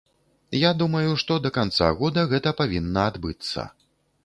Я думаю, што да канца года гэта павінна адбыцца.